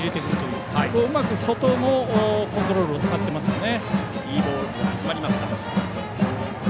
うまく外のコントロールを使っていますよね。